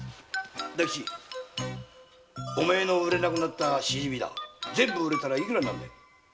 大吉お前の売れなくなった蜆だが全部売れたら幾らになるんだ？